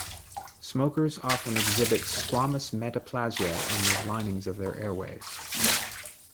Smokers often exhibit squamous metaplasia in the linings of their airways.